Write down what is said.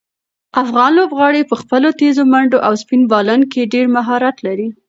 افغان لوبغاړي په خپلو تېزو منډو او سپین بالنګ کې ډېر مهارت لري.